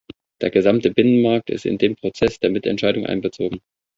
Der gesamte Binnenmarkt ist in den Prozess der Mitentscheidung einbezogen.